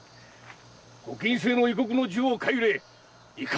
御禁制の異国の銃を買い入れいかが